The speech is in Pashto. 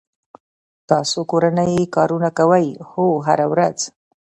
تاسو کورنی کارونه کوئ؟ هو، هره ورځ